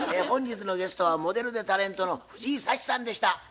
本日のゲストはモデルでタレントの藤井サチさんでした。